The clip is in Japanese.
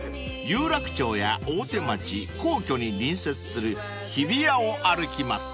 ［有楽町や大手町皇居に隣接する日比谷を歩きます］